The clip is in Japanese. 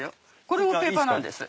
これもペーパーなんです。